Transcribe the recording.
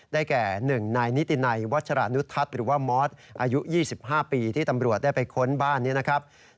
แก่๑นายนิตินัยวัชรานุทัศน์หรือว่ามอสอายุ๒๕ปีที่ตำรวจได้ไปค้นบ้านนี้นะครับ